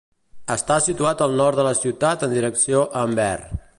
Està situat al nord de la ciutat en direcció a Amber.